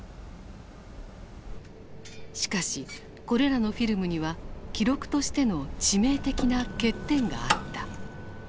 しかしこれらのフィルムには記録としての致命的な欠点があった。